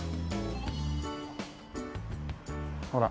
ほら。